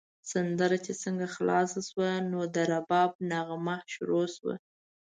سندره چې څنګه خلاصه شوه، نو د رباب نغمه شروع شوه.